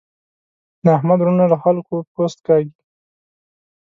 د احمد وروڼه له خلګو پوست کاږي.